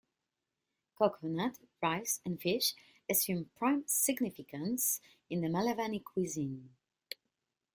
Coconut, Rice and Fish assume prime significance in the Malavani cuisine.